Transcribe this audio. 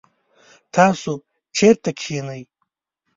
تاسو چیرته کښېنئ؟